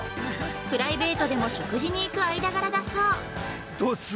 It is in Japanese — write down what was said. プライベートでも食事に行く間柄だそう。